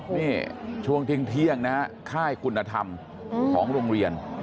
นี่ช่วงเที่ยงนะฮะค่ายคุณธรรมของโรงเรียน